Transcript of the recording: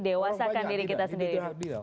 dewasakan diri kita sendiri